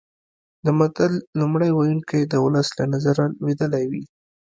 د متل لومړی ویونکی د ولس له نظره لوېدلی وي